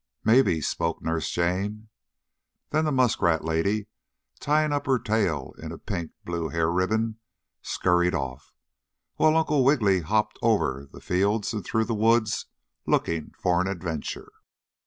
"Maybe," spoke Nurse Jane. Then the muskrat lady, tying her tail up in a pink blue hair ribbon, scurried off, while Uncle Wiggily hopped over the fields and through the woods, looking for an adventure.